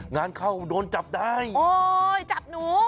งานเข้าโดนจับได้โอ้ยจับหนู